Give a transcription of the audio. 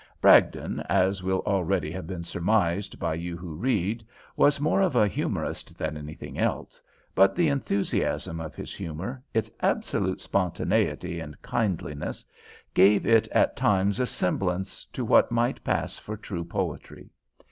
Bragdon, as will already have been surmised by you who read, was more of a humorist than anything else, but the enthusiasm of his humor, its absolute spontaneity and kindliness, gave it at times a semblance to what might pass for true poetry.